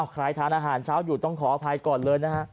ใครทานอาหารเช้าอยู่ต้องขออภัยก่อนเลยนะฮะ